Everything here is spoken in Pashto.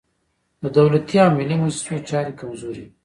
د دولتي او ملي موسسو چارې کمزورې وي.